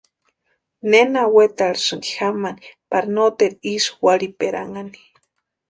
¿Nena wetarhisïnki jamani pari noteru ísï warhiperanhani?